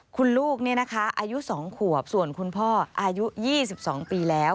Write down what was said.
คุณลูกอายุ๒ขวบส่วนคุณพ่ออายุ๒๒ปีแล้ว